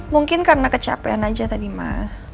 mungkin karena kecapean aja tadi mah